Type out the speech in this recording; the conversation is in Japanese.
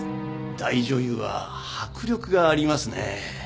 大女優は迫力がありますね。